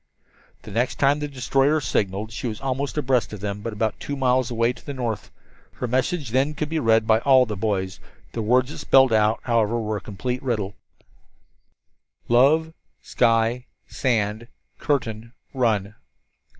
The next time the destroyer signaled she was almost abreast of them, but about two miles away to the north. Her message then could be read by all the boys. The words it spelled out, however, were a complete riddle: "Love sky sand curtain run."